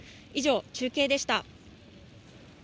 以上、中継でした。